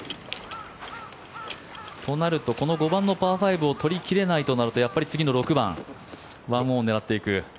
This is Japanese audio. となると、この５番のパー５を取り切れないとなるとやっぱり次の６番で１オンを狙っていく。